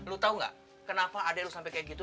lo tau gak kenapa adek lo sampe kayak gitu